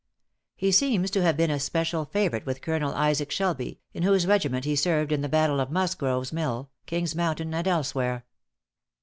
He seems to have been a special favorite with Colonel Isaac Shelby, in whose regiment he served in the battle at Mus grove's Mill, King's Mountain, and elsewhere.